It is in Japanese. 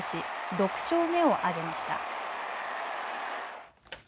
６勝目を挙げました。